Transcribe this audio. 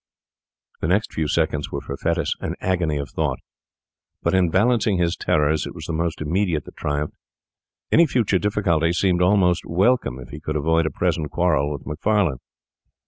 The next few seconds were for Fettes an agony of thought; but in balancing his terrors it was the most immediate that triumphed. Any future difficulty seemed almost welcome if he could avoid a present quarrel with Macfarlane.